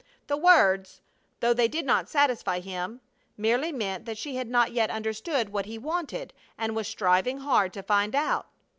The words, though they did not satisfy him, merely meant that she had not yet understood what he wanted, and was striving hard to find out.